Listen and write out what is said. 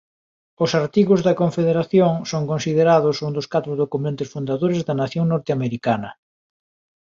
Os Artigos da Confederación son considerados un dos catro documentos fundadores da nación norteamericana.